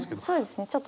そうですね。